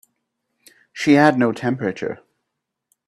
She had no temperature.